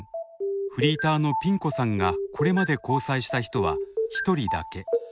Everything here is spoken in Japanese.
フリーターのピン子さんがこれまで交際した人は一人だけ。